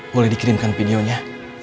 boleh dikirimkan videonya